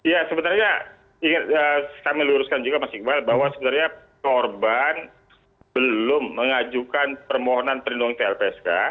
ya sebenarnya kami luruskan juga mas iqbal bahwa sebenarnya korban belum mengajukan permohonan perlindungan ke lpsk